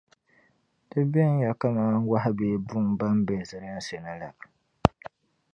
Di benya kaman wɔhu bee buŋa bɛn be zilinsi ni la.